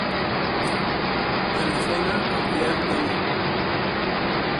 Telefona al Riad Donet.